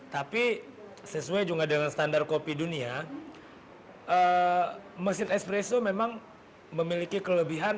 tapi sesuai juga dengan standar kopi dunia mesin espresso memang memiliki kelebihan